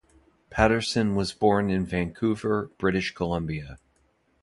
Patterson was born in Vancouver, British Columbia.